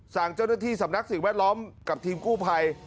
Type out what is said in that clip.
สั่งเจ้าหน้าที่สำนักสิ่งแวดล้อมกับทีมกู้ภัย